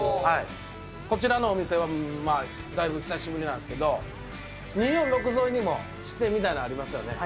こちらのお店は、だいぶ久しぶりなんですけど、２４６沿いにも支店みたいなのありますよね。